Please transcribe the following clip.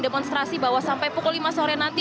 demonstrasi bahwa sampai pukul lima sore nanti